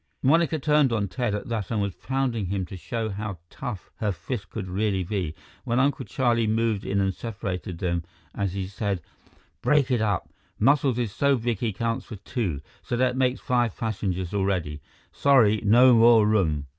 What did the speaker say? Monica turned on Ted at that and was pounding him to show how tough her fists could really be, when Uncle Charlie moved in and separated them as he said: "Break it up! Muscles is so big he counts for two, so that makes five passengers already. Sorry, no more room!"